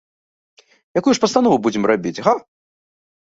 Якую ж пастанову будзем рабіць, га?